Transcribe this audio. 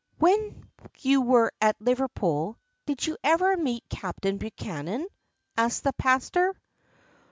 "When you were at Liverpool, did you ever meet Captain Buchman?" asked the pastor.